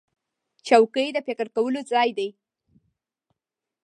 چوکۍ د فکر کولو ځای دی.